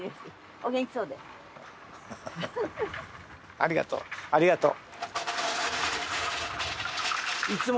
ありがとうありがとう。